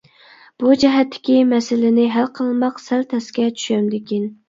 بۇ جەھەتتىكى مەسىلىنى ھەل قىلماق سەل تەسكە چۈشەمدىكىن.